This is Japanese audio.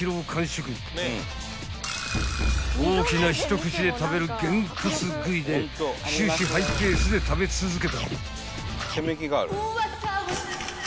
［大きな一口で食べるゲンコツ喰いで終始ハイペースで食べ続けた］